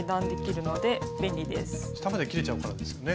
下まで切れちゃうからですよね。